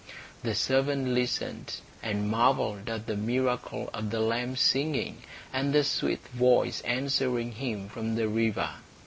The servant listened, and marvelled at the miracle of the lamb singing, and the sweet voice answering him from the river.